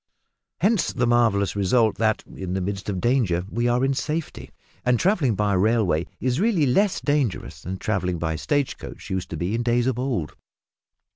Hence the marvellous result that, in the midst of danger, we are in safety, and travelling by railway is really less dangerous than travelling by stage coach used to be in days of old.